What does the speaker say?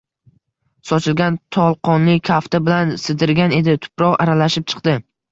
Sochilgan tolqonni kafti bilan sidirgan edi, tuproq aralashib chiqdi.